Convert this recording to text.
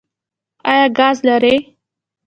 ایا ګاز لرئ؟